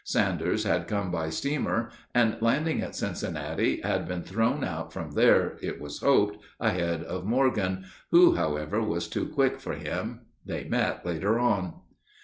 Sanders had come by steamer, and, landing at Cincinnati, had been thrown out from there, it was hoped, ahead of Morgan, who, however, was too quick for him. They met later on.